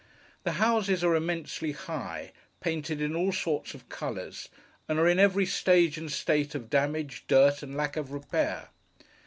The houses are immensely high, painted in all sorts of colours, and are in every stage and state of damage, dirt, and lack of repair.